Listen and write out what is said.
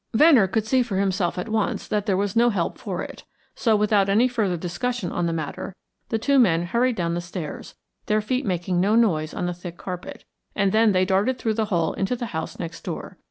Venner could see for himself at once that there was no help for it, so without any further discussion on the matter, the two men hurried down the stairs, their feet making no noise on the thick carpet, and then they darted through the hole into the house next door.